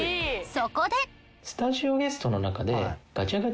そこで。